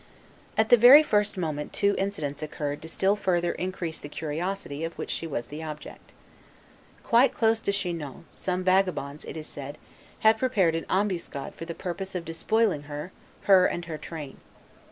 At the very first moment two incidents occurred to still further increase the curiosity of which she was the object. Quite close to Chinon some vagabonds, it is said, had prepared an ambuscade for the purpose of despoiling her, her and her train.